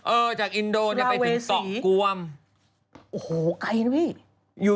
จากอินโดเนี่ยไปถึงเกาะกวมโอ้โหไกลนะพี่อยู่